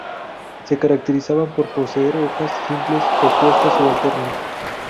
Se caracterizaban por poseer hojas simples, opuestas o alternas.